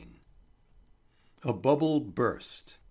A BUBBLE BURST.